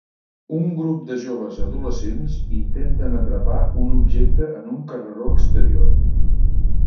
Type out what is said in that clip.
Un grup de joves adolescents intenten atrapar un objecte en un carreró exterior.